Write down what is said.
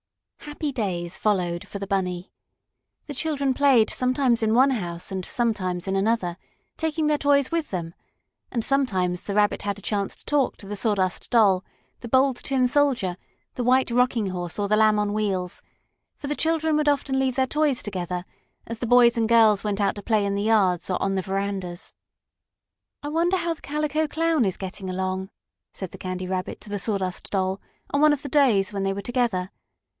Happy days followed for the Bunny. The children played sometimes in one house and sometimes in another, taking their toys with them, and sometimes the Rabbit had a chance to talk to the Sawdust Doll, the Bold Tin Soldier, the White Rocking Horse or the Lamb on Wheels, for the children would often leave their toys together, as the boys and girls went out to play in the yards or on the verandas. "I wonder how the Calico Clown is getting along," said the Candy Rabbit to the Sawdust Doll on one of the days when they were together.